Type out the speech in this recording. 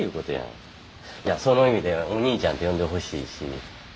その意味で「お兄ちゃん」て呼んでほしいし。